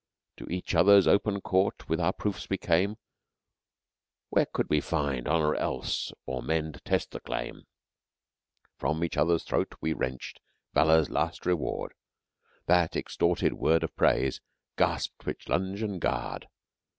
To each other's open court with our proofs we came, Where could we find honour else or men to test the claim? From each other's throat we wrenched valour's last reward, That extorted word of praise gasped 'twixt lunge and guard.